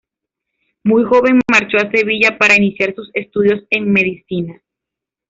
Muy joven marchó a Sevilla para iniciar sus estudios en medicina.